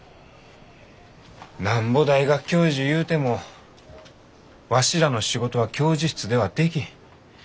なんぼ大学教授ゆうてもわしらの仕事は教授室ではできん。